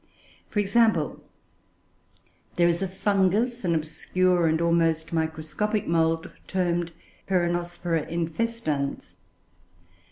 For example, there is a Fungus, an obscure and almost microscopic mould, termed Peronospora infestans.